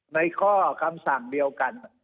ในข้อคำสั่งเดียวกัน